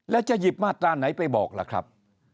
แล้วจะหยิบมาตราไหนไปบอกล่ะครับ